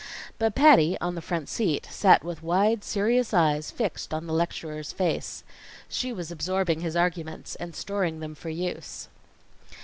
But Patty, on the front seat, sat with wide, serious eyes fixed on the lecturer's face. She was absorbing his arguments and storing them for use.